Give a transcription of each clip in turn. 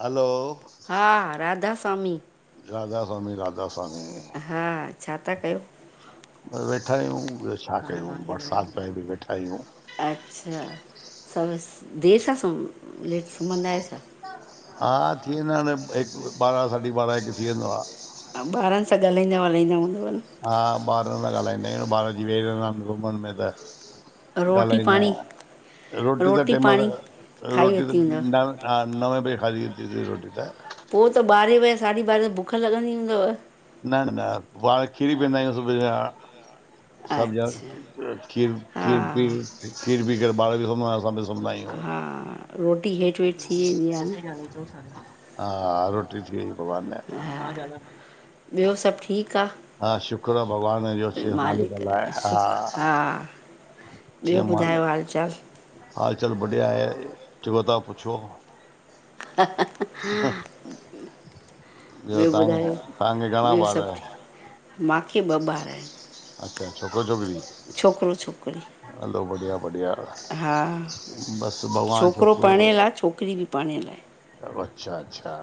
हलो, राधा स्वामी, राधा स्वामी। हा छा था कयो? वेठा आहियूं ॿियो छा कयूं बरसात पये पई वेठा आहियूं। अच्छा सभु देरि सां लेट सुम्हंदा आहियो छा? हा थी वेंदा आन, हिकु, बारहा, साढी बारहां, हिकु थी वेंदो आ। ॿारनि सां ॻाल्हाईंदा लाल्हाईंदा हूंदव न? हा ॿारनि सा ॻाल्हाईंदा आहियूं, ॿार अची वेही रहंदा आहिनि रुमनि में त गालाइना, रोटी त टाइम त, रोटी त न हा नवे बजे खाधी वरती सी रोटी त। पोइ त ॿारहें बजे साढी ॿारहें त बुख लॻंदी हूंदव? न न वरी खीर पीअंदा आहियूं सभ जेणा। खीर खीर पी खीर पी करे ॿार बि सुमंदा आहिन असां बि सुमंदा आहियूं। हा रोटी थी वेई भगवान जी दया सां। ॿियो सभु ठीकु आ। मालिक शुक्र आ, हा ॿियो ॿुधायो हाल चाल? हाल चाल बढ़िया आहे जेको तां पुछो। ह ह। ॿियो ॿुधायो, ॿियो सभ मांखे ॿ ॿार आहिन। अच्छा, छोकरो छोकरी छोकरो छोकरी हलो, बढ़िया-बढ़िया बस भॻवान छोक अच्छा, अच्छा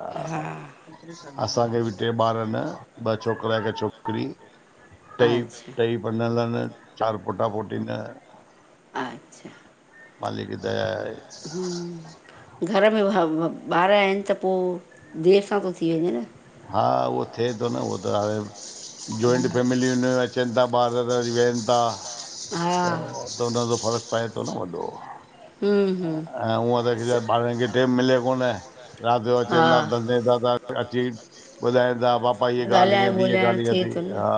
असांखे बि ट्रे ॿार आहिन ॿ छोकरा हिक छोकरी। टई टई परनल आहिन। चार पोटा पोटी आहिन। अच्छा मालिक जी दया आहे। हूं घर में ॿार आहिन त पो देर सां थो थी वञे न। हा उओ थिए तो न उहो त हाणे जॉइंट फैमिली अन अचन ता ॿार त वरी वेहन ता। त हुनजो त फ़र्क़ पए तो न वॾो। हम्म ऐं ऊअं त ॿारन खे टेम मिले कोने। रात जो अचेन ता धंधे ता त अची ॿुधाईन ता पापा हीअ ॻाल हीअं थी हीय ॻाल हीअं थी हा।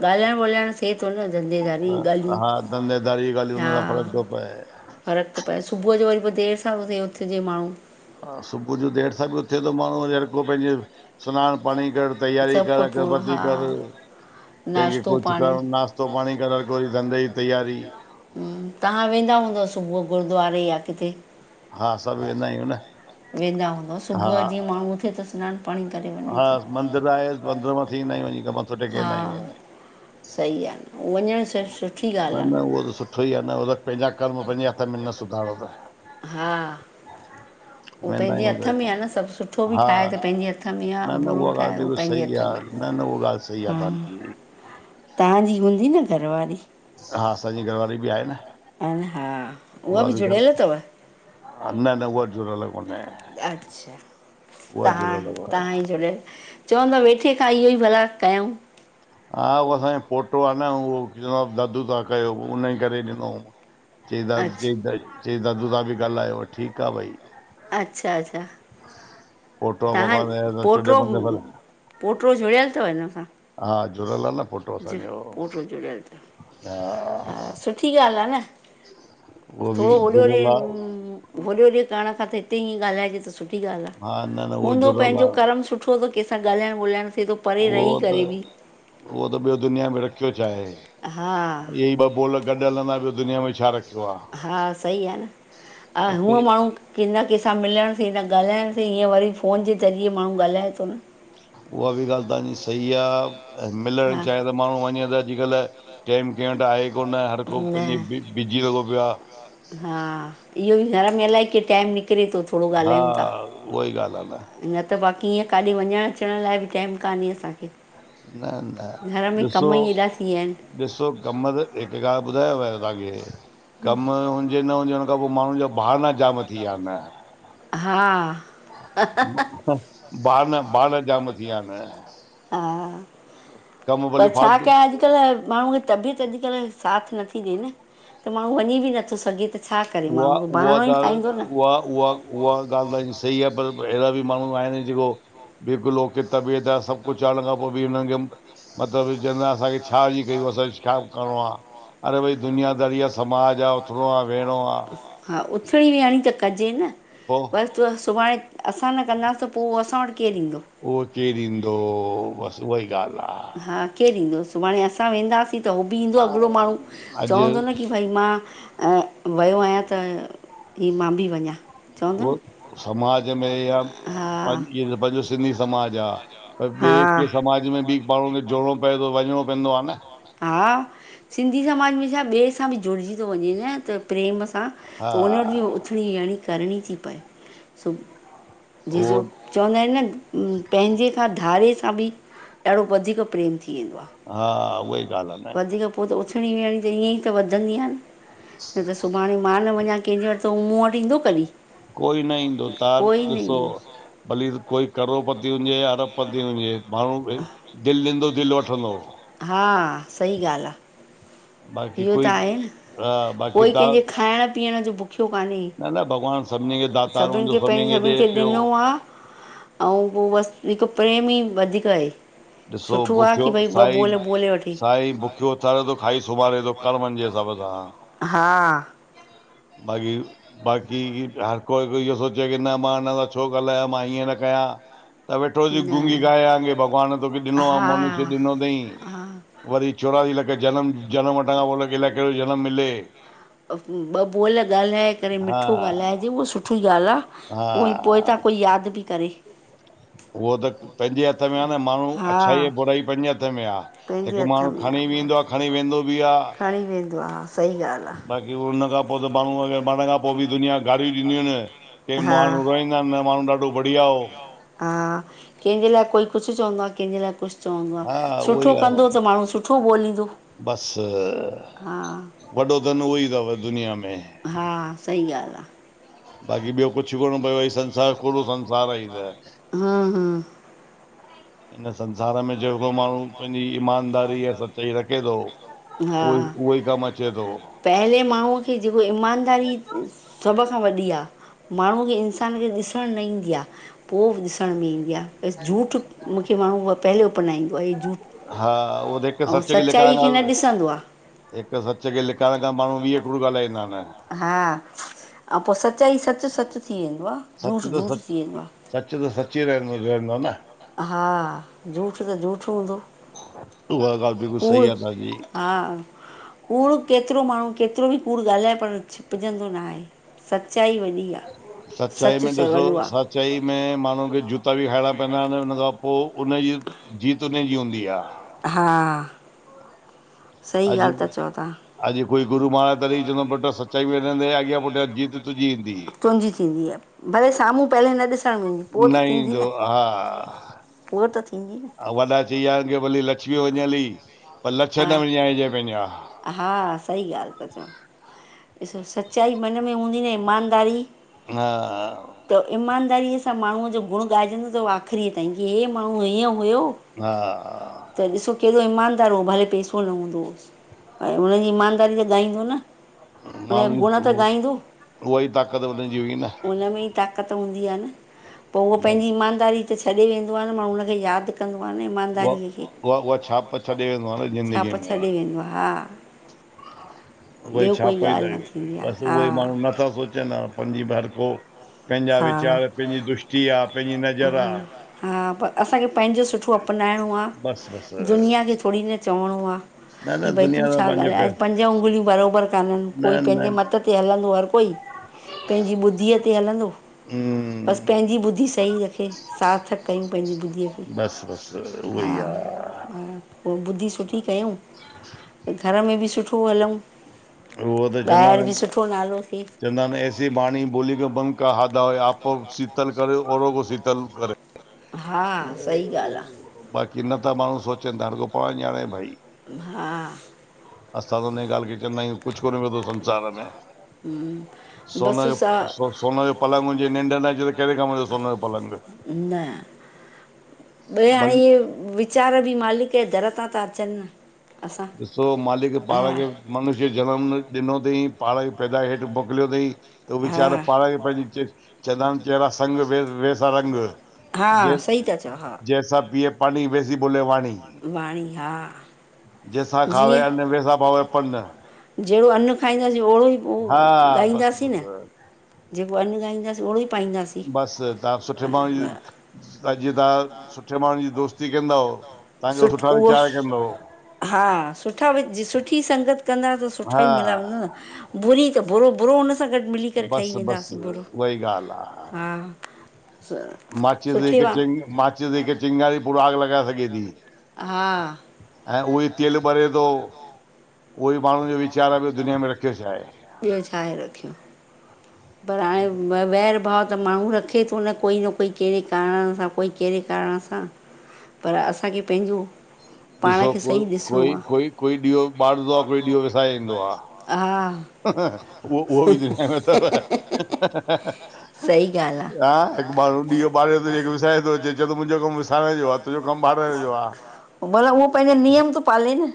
ॻाल्हाइण ॿोलाइण थे तो न धंधे धा हा धंधे दारी जी ॻाल्हियूं हुन सां फ़र्क़ थो पए। फ़र्क़ तो पए, सुबुअ जो वरी पो देर सां तो थे उथजे माण्हू हा सुबुअ जो देर सां बि उथे तो माण्हू वरी हर को पैंजे सनान पाणी कर, तयारी कर अगरबती कर केंखे कुछ करण नास्तो पाणी करण कोई धंधे जी तयारी। हूं, तव्हां वेंदा हूंदव सुबुअ गुरुद्वारे या किथे। वेंदा हूंदव, सुबुअ जीअं माण्हू उथे त सनान पाणी करे वञे। मंदर आहे, मंदर मां थी ईंदा आयूं वञी कम हा, सही आ न वञण न न उहो त सुठो ई आ न हो त पैंजा कर्म पैंजे हथन में न सुधारो त वेंदा आयूं हुते हा, न न उहा ॻाल बिल्कुल सही आ‌। न न उअ ॻाल सही आ तहां जी। तहांजी हूंदी न घरवारी। हा, असांजी घरवारी बि आहे न। अन हा, उहा बि जुड़ियल तव। न न उव जुड़ियल कोने। अच्छा तहां तहां ई जुड़ियल चवंदा वेठे खां इहो ई भला कयऊं। हा, उओ असांजो पोटो आ न उहो चींदो आ दद्दू तां कयो उन ई करे ॾिनो। चई दा चई दादू तां बी ॻाल्हायो, ठीक आ भई। अच्छा, अच्छा तव्हां पोटो पोट्रो जुड़ियल तव हिन सां? हा, जुड़ियल आ न पो असांजो हा हा। उओ बि जुड़ियल आ। होॾे-होॾे करण खां त हिते ईीअ ॻाल्हाइजे त सुठी ॻाल्हि आ हूंदो पंहिंजो कर्म सुठ सुठो केसां ॻाल्हाइणु ॿोलाहण थे तो उहो त, उहो त ॿियो दुनिया में रखियो छा आहे, ईहे ही ॿ बोल गॾु हलंदा ॿो दुनिया में हा सी आ न अ हूअं माण्हू की न केहिंसां मिलण थे, न ॻाल्हाइण थे, ईीअं वरी फोन जे ज़रिए माण्हू ॻाल्हाए थो न। उहा ॿि ॻाल्हि तव्हांजी सही आ, मिलणु चाहे त माण्हू वञे त अॼुकल्ह टेम कंहिं वटि आहे कोन हर को पंहिंजे बि बिजी लॻो पियो आह। हा इहो ॿि घर में अलाए के टाइम निकिरे तो। हा उई ॻाल्हि आह न। न त बाक़ी ईअं काॾे वञणु अचण लाइ बि टाइम कान्हे असांखे। न-न ॾिसो ॾिसो कम त हिकु ॻाल्हि ॿुधाययो तव्हांखे कम न हुजे हुन खां पोइ माण्हुनि जा भहाना जाम थी विया ऐन। भहाना जाम थी विया आहिनि। हा प छा कया अॼ अॼुकल्ह माण्हू खे तबियत अॼुकल्ह साथ नथी ॾेए न त माण्हू वञी ॿि नथो सघे त उहा उहा गाल उहा उहा उहा ॻाल्हि तां जी सही आ पर अहिड़ा ॿि माण्हू आहिनि जेको [unintelligible] तबियत सभु कुझु चण खां पोइ बि हुननि खे मतिलबु चवंदा आहिनि असांखे छा कयूं असांखे करिणो आहे अड़े भई दुनियादारी आहे समाज आहे उओतिणो आ हा हा उथणी वेहणी त कजें न। पो बसि त सुभाणे असां न कंदासीं त पोइ असां वटि केरु ईंदो? उहो केरु ईंदो बसि उहा ई ॻाल्हि। हा केरु ईंदो? सुभाणे असां वेंदासीं त उहो ॿि ईंदो अॻिलो माण्हू चवंदो न की भई मां वियो आहियां त हीअ मां ॿि वञा। उ समाज में या पंहिंज इत पंहिंजो सिंधी समाज आ त ॿिए कैह समाज में ॿि माण्हुनि खे जोड़णो पए थो वञिणो पवंदो आ न। हा, सिंधी समाज में छा ॿिए सां बि जुड़िजी थो वञे न त प्रेम सां सां त उन वटि बि उथिणी याणी करणी थी पए जे जो चवंदा आहिनि न पंहिंजे खां धारे सां ॿि ॾाढो वधीक प्रेम थी वेंदो आ। हा उई वधीक पो त उथिणी वेहणी त ईअं ई त वधंदी आ न, त सुभाणे मां न वञा कंहिंजे वटि त मूं वटि ईंदो कॾहिं? कोई न ईंदो तव्हां ॾिसो भली कोई करोड़पति हुजे या अरबपति हुजे। माण्हू दिलि ॾींदो दिलि वठंदो। हा सही ॻाल्हि आ। इहो त आहे न। कोई कंहिंजे खाइण पीअण जो बुखियो कान्हे। सभिनि खे पंहिंजं सभिनि खे ॾिनो आ [inaudible] अऊं पो बसि हिकु प्रेम ई वधीक आहे। ॾिसो बुखियो साईं साईं बुख थयो उथारे तो, खाई सुमारे तो करमनि जे हिसाब सां। हा भागी बाक़ी हर कोई को इहो सोचे की न मां हिन सां छो ॻाल्हायां मां हीअं न कयां त वेठो हुज गुंगी गाए आ भॻवान तोखे ॾिनो आ मनुष्य ॾिनो तई वरी चोरासी लख जनमु जनमु वठण खां पो अलाए कहिड़ो जनमु मिले। ॿ बोल ॻाल्हाए करे मिठो ॻाल्हाइजे उहो सुठी ॻाल्हि आ। उहो ई पोए ता कोई यादि बि करे। वोे त पंहिंजे हथु हथु में आ न माण्हू अच्छाई बुराई पंजे हथु में आ हिकु माण्हू खणी बि ई्ंंदो, आ खणी वेंदो बि आ। खणी वेंदो आ, सही ॻाल्हि आ। बाक़ी उनखा पो त माण्हू अॻरि मरण खां पो बि दुनिया गारियूं ॾींदियूं आहिनि, के माण्हू रोईंदा आहिनि न माण्हू ॾाढो ॾाढो बढ़िया हो, हा कंहिंजे लाइ कोई कुझु चवंदो आ कंहिंजे लाइ कुझु चवंदो आ, सुठो कंदो त माण्हू सुठो बोलीदो, बसि, हा। वॾो धन उहो ई तव दुनिया में। हा सही ॻाल्हि आ। बाक़ी ॿियो कुझु कोनि पयो आ, संसार कुडो संसार आए ही त। हिन संसार में ॼेको माण्हू पंहिंजी ईमानदारी ऐं सच्चाई रखे तो, उहोई उहोई कमु अचे तो। पहिले माण्हू खे ॼेको ईमानदारी सभु खां वॾी आ। माण्हूअ खे इंसान खे ॾिसण न ईंदी आ, पो ॾिसण में ईंदी आ। त जूठ मूंखे माण्हू उअ पहिले उपनाईंदो आहे जूठ हा उहो त हिकु सच के लिकाइण वारो हिकु सच के लिकाइण खां माण्हू वीह कुड़ू ॻाल्हाईंदा आहिनि। हा अउं पो सचाई सच सच थी वेंदो आ। सच त सच, सच त सची रहंदो रहंदो न। हा जूठ त जूठ हूंदो। कुड़ू हा कुड़ू केतिरो माण्हू केतिरो बि कूड़ ॻाल्हाए पर छिपजंदो न आहे। सच्चाई वॾी सच्चाई में ॾिसो सचाई में माण्हू खे जूता बि खाइणा प पैंदा आहिनि उनखां पो उनजी जीत उनजी हूंदी आ। हा सही ॻाल्हि ता चओ तां। अॼु कोई गुरु माराज तॾेई चंदो पुट सच्चाई में रहंदे अॻियां पुठिया जीत तुंहिंजी ईंदी। तुंहिंजी थींदी आ, भले साम्हूं पहले न ॾिसण में ईदी, पो त थींदी न। उअ त थींदी न। अउं वॾा चई विया आहिनि की भले लक्ष्मी वञे हली, पर लक्छन न विञाइंजे पंहिंजा। हा सही ॻाल्हि त चओ। ॾिसो सच्चाई मन में हूंदी न ईमानदारी हा त ईमानदारीअ सां माण्हूअ जो गुण गाइजंनि न त आख़िरीअ ताईं की हे माण्हू हीअं हुयो। हा हा त ॾिसो केॾो ईमानदार हो। भले पैसो न हूंदो होस, हुन जी ईमानदारी त ॻाईंदो न। हुनजा गुण त ॻाईंदो उनमें ई ताक़त हूंदी आ न, पो उओ पैंजी ईमानदारी हिते छॾे वेंदो आ न माण्हू हुनखे याद कंदो आ न ईमानदारीअ खे। छाप छॾे वेंदो आ हा। उअ ई छाप ई त आए बस उए ई माण्हू नथा सोचिन हाणे [unintelligible] पैंजा वीचार पैंजी दुष्टी आ पैंजी नज़र आ। हा, पर असांखे पैंजो सुठो अपनाइणो आ, दुनिया खे थोड़ी न चवणो आ। कि भई तूं छा ॻाल्हाएस, पंज उंगलियूं बरोबर कानन कोई पैंजे मत ते हलंदो हर कोई पंहिंजी बुधीअ ते हलंदो। हूम बस पैंजी ॿुधी सही रखे सार्थक कयूं पैंजी ॿुधीअ खे। सिर्फ उह ई आ। हा, पो ॿुधी सुठी कयूं त घर में बि सुठ सुठो हलऊं। ॿाहिर बि सुठो नालो थे। चवंदा आइन ऐसी बाणी बोली कि बंग का आधा आपो शीतल करे औरो को शीतल करे। बाक़ी नथा माण्हू सोचन त हर को पाण ॼाणे भई। हा असां त हूं ॻाल खे चवंदा आयूं कुछ कोन पयो तव संसार में। हम सोन जो, सोन जो पलंग हुजे निंड न अचे त केड़े कम जो सोन जो पलंग। न ॿे हाणे इहे वीचार बि मालिक जे दर ता त अचन न। ॾिसो मालिक पाण खे मनुष्य जनम ॾिनो तई, पाण खे पैदा हेठ मोकलियो तई। त वीचार पाण खे पैंजी चेंदा आइन जेड़ा संग वैसा रंग। हा सही ता चओ। जैसा पीए पाणी वैसी बोले वाणी। वाणी हा, जेसा खावे अन वैसा पावे पन। जेड़ो अन्न खाईंदासीं ओड़ो ई ॻाईंदासीं न। जेको अन्न ॻाईंदासी ओड़ो ई पाईंदासीं। बस, तव्हां सुठे माण्हू जी जीअं तव्हां सुठे माण्हू जी दोस्ती कंदव तांजो सुठा वीचार कंदो। हा, सुठा विच सुठी संगत कंदा त सुठा ई मिलंदव न। बुरी त बुरो बुरो हुन बस बस उअ ई ॻाल आ। माचीस हिक चंग माचिस जी हिक चिंगारी पूरो आग लॻाए सघे ती। हा ऐं उहोई तेल ॿरे तो, उहो ई माण्हुन जो वीचार आहे ॿियो दुनिया में रखियो ई छा आहे। ॿियो छा आहे रखियो, पर हाणे वैर भाव त माण्हू रख रखे तो न कोई न कोई केड़े कारण सां कोई केड़े कारण सां। पर असांखे पैंजो ॾिसो, कोई कोई कोई कोई ॾीओ ॿारदो आ, कोई ॾीओ विसाए ईंदो आ। हा उहो- उहो बि इनमें अथव, हं हिकु माण्हू ॾीयो ॿारे तो अचे हिक विसाए तो अचे चे तो मुंहिंजो कमु विसाइण जो आ। भला हो पंहिंजो नियम तो पाले न।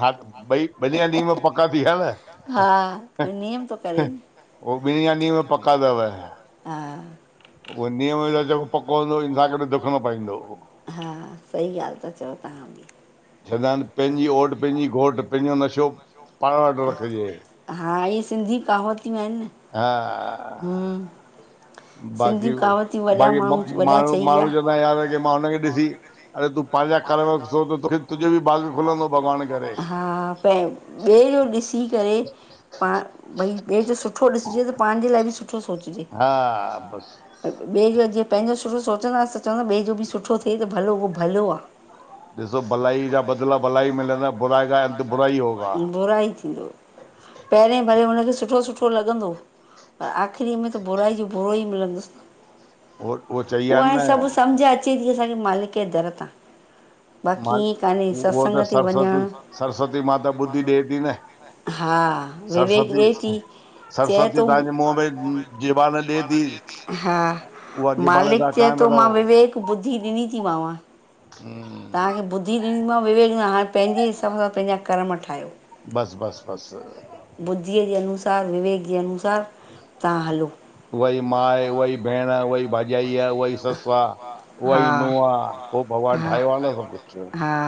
हा ॿई बढ़िया नीम पका थी या न, हा त नियम तो करे। हो ॿिनी जा नीम पका तव। हो नियम जो जेको पको हूंदो इन सां गॾ झुकणो पईंदो। हा, सही ॻाल्हि ता चओ तव्हां बि। चंवदा आहिनि पंहिंजी ओठु, पंहिंजी घोटु, पंहिंजो नशो, हा इहे सिंधी कावतियूं आहिनि न। हा हम्म बाक़ी बाक़ी म्हू माण्हू जो यार की मां हुनखे ॾिसी अड़े तूं पंहिंजा घरो तुंहिंजो बि भाग खुलंदो भॻवान खे [unintelligible] घ [inaudible] प ॿिए जो ॾिसी करे, पाण भई ॿिए जो सुठो ॾिसजे त पंहिंजे लाइ बि सुठो सोचिजे। ॿिए जो जीअं पंहिंजो सुठो सोचंदासीं त चवंदा ॿिए जो बि सुठो थिए त भलो उहो भलो आ। ॾिसो भलाई जा बदिला भलाई मिलंदा बुराई जा इन बुराई थींदो पहिरें भले हुनखे सुठो सुठो लॻंदो, पर आख़िरीअ में त बुराई जो बुरो ई मिलंदुसि। उहो हाणे सभु सम्झ अचे ती असांखे मालिक जे दर तां। बाक़ी ईअं कान्हे सत्संग ते वञणु हा विवेक ॾे ती। चेतो हा। मालिक चए तो, मां विवेक ॿुद्धी ॾिनी ती मांव। हम्म तव्हांखे ॿुधी ॾिनीमांव विवेक हाण पंहिंजे हिसाब सां पंहिंजा कर्म ठाहियो। बस- बस -बस। बुद्धीअ जे अनुसार विवेक जे अनुसार तां हलो। वई माए, वई भेण, वई भाॼ ॼाई आ, उहा ई ससु आ उहा ई नूह आ पो भॻवानु ठाहियो आ न सभु कुछ। हा।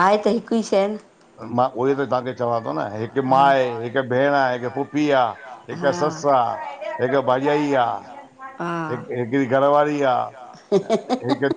आहे त हिक ई शइ न। मां उहोई त तव्हांखे चवां तो न, हिकु माउ आहे, हिकु भेण आहे, हिकु पुफी आ। हिकु सस आ, हिकु भाजाई आ। हिकड़ी घर वारी आ, हिकु